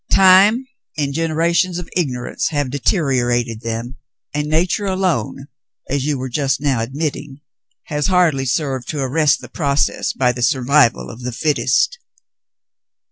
Time and genera tions of ignorance have deteriorated them, and nature alone — as you were but now admitting — has hardly served to arrest the process by the survival of the fittest.'